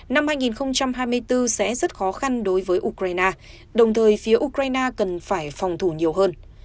năm hai nghìn hai mươi bốn sẽ rất khó khăn đối với ukraine đồng thời phía ukraine cần phải phòng thủ nhiều hơn